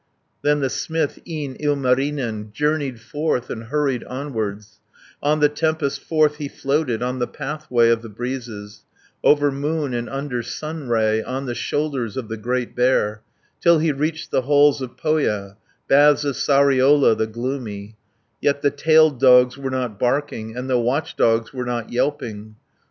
Then the smith, e'en Ilmarinen, Journeyed forth, and hurried onwards, On the tempest forth he floated, On the pathway of the breezes, Over moon, and under sunray, On the shoulders of the Great Bear, 180 Till he reached the halls of Pohja, Baths of Sariola the gloomy, Yet the tailed dogs were not barking, And the watch dogs were not yelping.